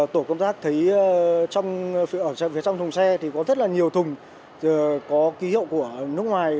tổ công tác thấy ở phía trong thùng xe có rất nhiều thùng có ký hiệu của nước ngoài